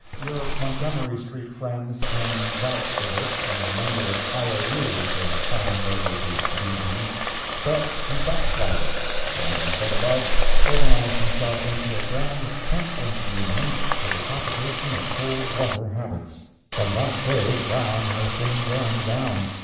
Your Montgomery street friends can vouch for this from the number of I. O. U.'s they have signed over to B. B. but he backslided, and as I said above, organized himself into a grand Temperance Union for the Propagation of Cold Water Habits. From that day Brown has been going down.